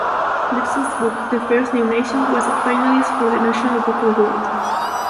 Lipset's book "The First New Nation" was a finalist for the National Book Award.